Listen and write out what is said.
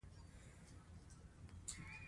ما ورته وویل: سر مې خلاص شو، چې ته څه وایې.